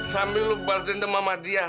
sambil lo balesin demama dia